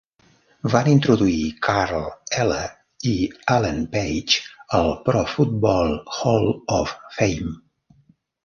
Van introduir Carl Eller i Alan Page al Pro Football Hall of Fame.